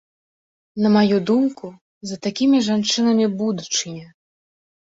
На маю думку, за такімі жанчынамі будучыня.